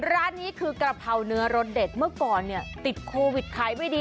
ร้านนี้คือกระเพราเนื้อรสเด็ดเมื่อก่อนเนี่ยติดโควิดขายไม่ดี